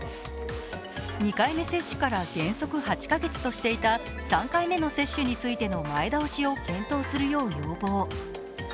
２回目接種から原則８カ月としていた３回目の接種の前倒しを検討するよう要望。